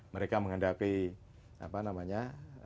mereka menghendaki apa namanya